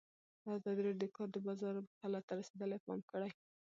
ازادي راډیو د د کار بازار حالت ته رسېدلي پام کړی.